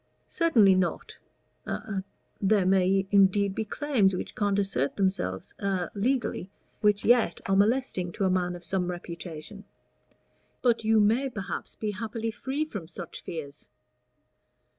"Certainly not; a there may indeed be claims which can't assert themselves a legally, which yet are molesting to a man of some reputation. But you may perhaps be happily free from such fears."